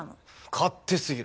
勝手すぎる。